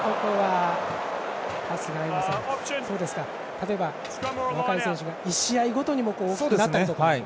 例えば、若い選手が１試合ごとに大きくなったりとか。